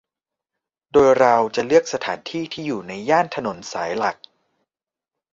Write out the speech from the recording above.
โดยเราจะเลือกสถานที่ที่อยู่ในย่านถนนสายหลัก